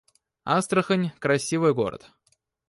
Астрахань — красивый город